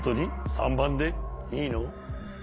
３ばんでいいの？